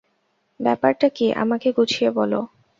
ব্যাপারটা কী, আমাকে গুছিয়ে বল।